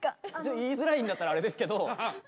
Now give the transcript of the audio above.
言いづらいんだったらあれですけど。